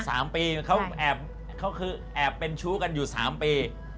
สามปีเขาแอบเป็นชู้กันอยู่สามปี